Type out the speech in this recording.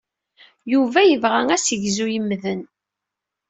Yuba yebɣa assegzu yemmden.